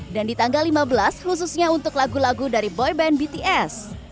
dan di tanggal lima belas khususnya untuk lagu lagu dari boy band bts